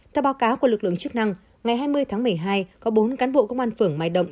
theo báo cáo của lực lượng chức năng ngày hai mươi tháng một mươi hai có bốn cán bộ công an phường mai động